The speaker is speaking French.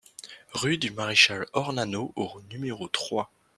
Rue du Maréchal Ornano au numéro trois